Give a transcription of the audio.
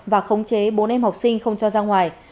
và khống chế bốn em học sinh không cho ra ngoài